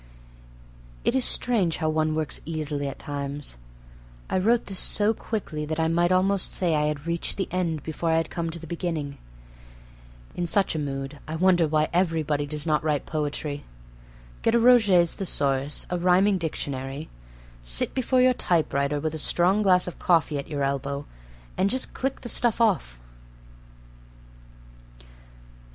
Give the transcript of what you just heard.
It is strange how one works easily at times. I wrote this so quickly that I might almost say I had reached the end before I had come to the beginning. In such a mood I wonder why everybody does not write poetry. Get a Roget's Thesaurus, a rhyming dictionary: sit before your typewriter with a strong glass of coffee at your elbow, and just click the stuff off.